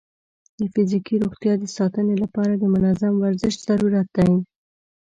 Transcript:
د فزیکي روغتیا د ساتنې لپاره د منظم ورزش ضرورت دی.